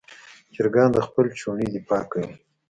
چرګان د خپل چوڼې دفاع کوي.